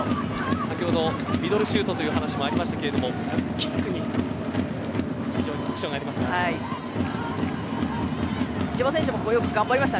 先ほどミドルシュートという話もありましたがキックに非常に特徴があります。